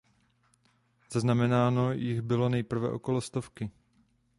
Zaznamenáno jich bylo nejprve okolo stovky.